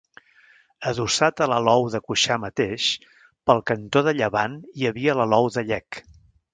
Adossat a l'alou de Cuixà mateix, pel cantó de llevant hi havia l'alou de Llec.